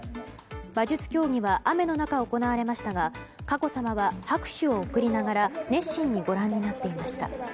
馬術競技は雨の中行われましたが佳子さまは拍手を送りながら熱心にご覧になっていました。